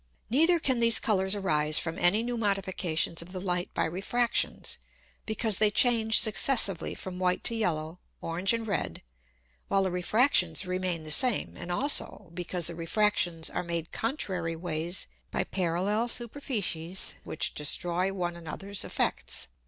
Neither can these Colours arise from any new Modifications of the Light by Refractions, because they change successively from white to yellow, orange and red, while the Refractions remain the same, and also because the Refractions are made contrary ways by parallel Superficies which destroy one another's Effects.